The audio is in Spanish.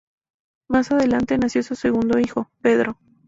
Más adelante, nació su segundo hijo, Pedro.